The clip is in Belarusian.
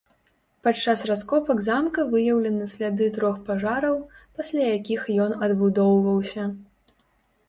Падчас раскопак замка выяўлены сляды трох пажараў, пасля якіх ён адбудоўваўся.